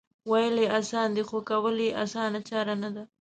وېل یې اسان دي خو کول یې اسانه چاره نه ده